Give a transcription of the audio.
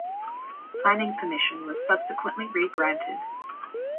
Planning permission was subsequently re-granted.